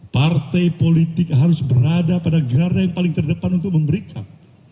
partai politik harus berada pada garda yang paling terdepan untuk memberikan